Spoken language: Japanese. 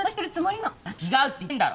違うって言ってんだろ！